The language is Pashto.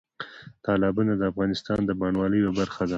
تالابونه د افغانستان د بڼوالۍ یوه مهمه برخه ده.